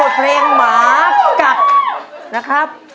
ในบทเพลงหมากกก